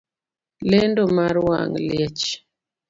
Lendo mar wang' liech